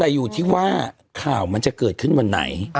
แต่อยู่ที่ว่าข่าวมันจะเกิดขึ้นวันไหน